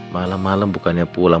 malam malam bukannya pulang